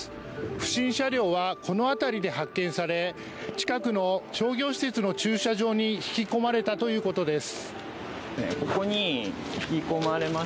不審車両はこの辺りで発見され、近くの商業施設の駐車場に引き込まれたということです。